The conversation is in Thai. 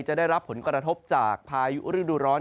จะได้รับผลกระทบจากพายุฤดูร้อน